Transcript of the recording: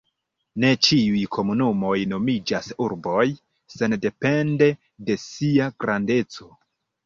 Ne ĉiuj komunumoj nomiĝas urboj, sendepende de sia grandeco.